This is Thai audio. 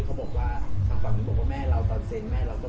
ตอนเขาอยู่บางไศนียะสำหรับเรา